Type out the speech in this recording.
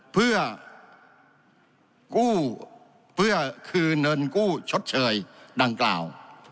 เพื่อคืนเอิญกู้ชดเฉยดังกล่าว